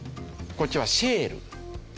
こっちは「シェール」。